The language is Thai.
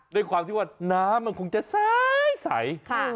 ด้วยความที่ว่าน้ำมันคงจะสายใส